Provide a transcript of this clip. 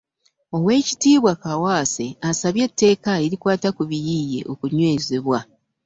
Oweekitiibwa Kaawaase asabye etteeka erikwata ku biyiiye okunywezebwa.